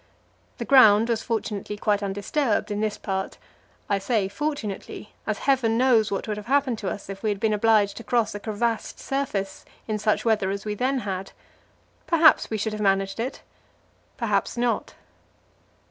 The ground was fortunately quite undisturbed in this part. I say fortunately, as Heaven knows what would have happened to us if we had been obliged to cross a crevassed surface in such weather as we then had. Perhaps we should have managed it perhaps not.